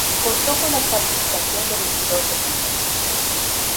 Contó con la participación de veintidós equipos.